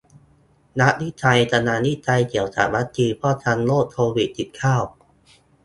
นักวิจัยกำลังวิจัยเกี่ยวกับวัคซีนป้องกันโรคโควิดสิบเก้า